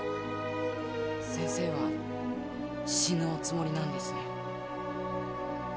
先生は死ぬおつもりなんですね？